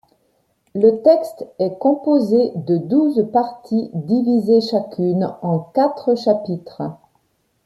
Le texte est composé de douze parties divisées chacune en quatre chapitres.